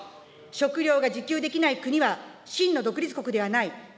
食料が自給できない国は真の独立国ではない。